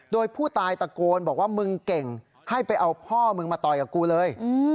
โดยผู้ตายตะโกนบอกว่ามึงเก่งให้ไปเอาพ่อมึงมาต่อยกับกูเลย